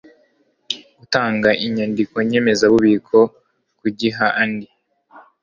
gutanga inyandiko nyemezabubiko kugiha andi